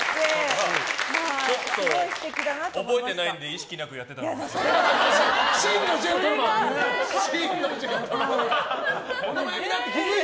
覚えてないので意識なくやってたのかもしれない。